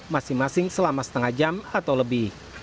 masing masing selama setengah jam atau lebih